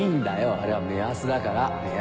あれは目安だから目安。